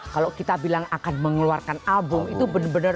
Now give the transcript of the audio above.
kalau kita bilang akan mengeluarkan album itu bener bener